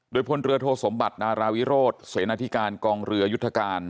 โดยพลเรือโทสมบัตินาราวิโรธเสนาธิการกองเรือยุทธการ